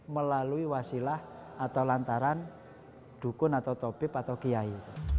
melalui wasilah atau lantaran dukun atau topib atau kiai